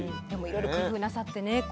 でもいろいろ工夫なさってね